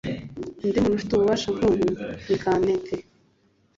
undi muntu ufite ububasha nk'ubu ni kantete